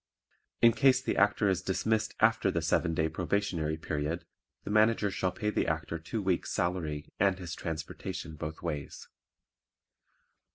In case the Actor is dismissed after the seven day probationary period, the Manager shall pay the Actor two weeks' salary and his transportation both ways.